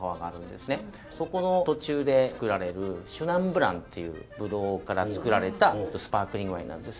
そこの途中で作られるシュナンブランっていうぶどうから造られたスパークリングワインなんです。